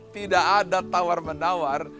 tidak ada tawar menawar